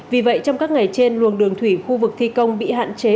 vì vậy trong các ngày trên luồng đường thủy khu vực thi công bị hạn chế